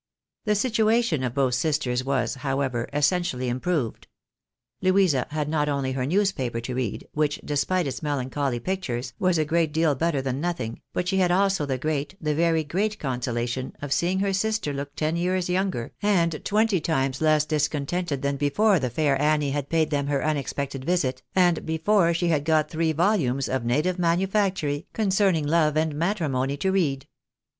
The situation of both sisters was, however, essentially improved. Louisa had not only her newspaper to read, which, despite its melancholy pictures, was a great deal better than nothing, but she had also the great, the very great consolation, of seeing her sister look ten years younger, and twenty times less discontented, than before the fair Annie had paid them her unexpected visit, and before she had got three volumes of native manufactory, concerning love and matrimony, to read.